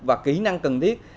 và những kỹ năng cần thiết